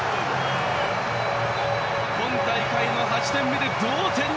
今大会の８点目で同点！